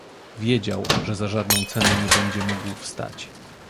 "Wiedział, że za żadną cenę nie będzie mógł wstać."